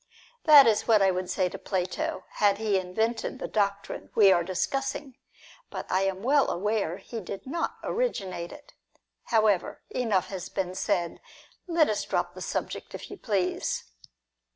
That is what I would say to Plato, had he invented the doctrine we are discussing ; but I am well aware he did not originate it. However, enough has been said. Let us drop the subject, if you please.